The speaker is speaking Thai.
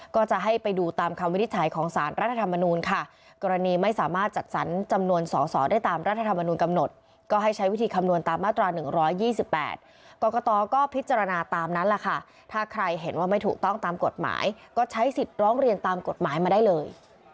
๖๒๘กรกตก็พิจารณาตามนั้นล่ะค่ะถ้าใครเห็นว่าไม่ถูกต้องตามกฎหมายก็ใช้สิทธิ์ร้องเรียนตามกฎหมายมาได้เลย